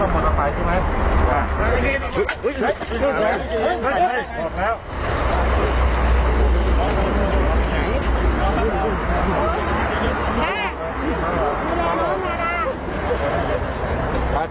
แม่ไปเล่นโอเคแม่ได้